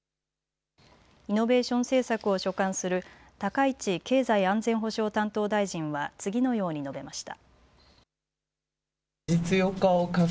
イノベーション政策を所管する高市経済安全保障担当大臣は次のように述べました。